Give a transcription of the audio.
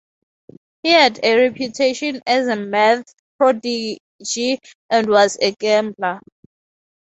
He had a reputation as a math prodigy and was a gambler.